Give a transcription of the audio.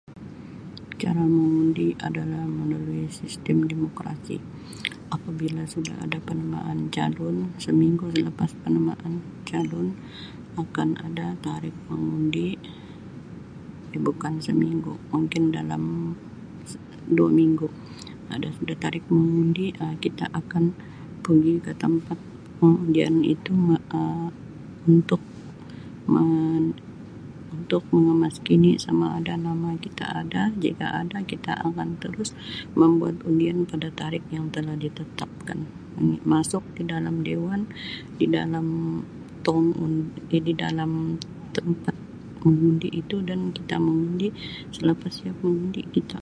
Cara mengundi adalah melalui sistem demokrasi apabila ada sudah penamaan calon seminggu selepas penamaan calon akan ada tarikh mengundi bukan seminggu mungkin dalam dua minggu ada suda tarikh mengundi Um kita akan pegi ke tempat pengundian itu Um untuk meng untuk mengemaskini samaada nama kita ada jika ada kita akan terus membuat undian pada tarikh yang telah ditetapkan masuk di dalam dewan di dalam tong un di dalam tempat mengundi itu dan kita mengundi selapas siap mengundi kita.